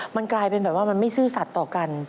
มันกลายเป็นแบบว่ามันไม่ซื่อสัตว์ต่อกัน